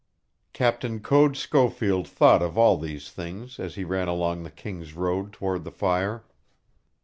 Captain Code Schofield thought of all these things as he ran along the King's Road toward the fire.